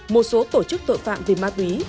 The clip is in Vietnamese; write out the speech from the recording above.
một số tổ chức tội phạm về ma túy